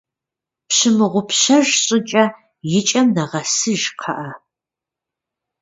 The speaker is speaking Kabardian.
Пщымыгъупщэж щӀыкӀэ, и кӀэм нэгъэсыж, кхъыӀэ.